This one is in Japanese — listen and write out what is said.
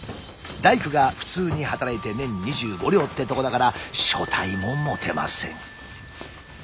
大工が普通に働いて年２５両ってとこだから所帯も持てません。